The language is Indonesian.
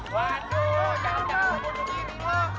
waduh jangan jangan bunuh diri